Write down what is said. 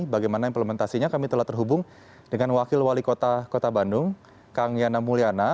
bagaimana implementasinya kami telah terhubung dengan wakil wali kota kota bandung kang yana mulyana